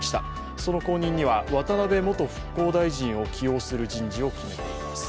その後任には渡辺元復興大臣を起用する人事を決めています。